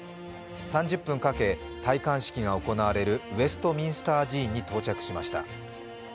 ３０分かけ、戴冠式が行われるウェストミンスター寺院に到着しました。